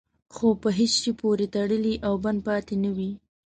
خو په هېڅ شي پورې تړلی او بند پاتې نه وي.